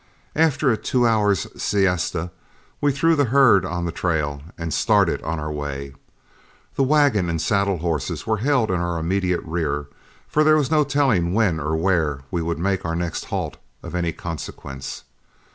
After a two hours' siesta, we threw the herd on the trail and started on our way. The wagon and saddle horses were held in our immediate rear, for there was no telling when or where we would make our next halt of any consequence.